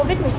dạ do dịch